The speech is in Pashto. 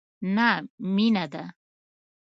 نه مینه ده،